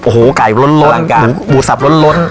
โอ้โหไก่ล้นกันหมูสับล้น